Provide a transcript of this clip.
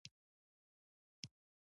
کړکېچ وغځېد پوښتنې ځواب نه موندل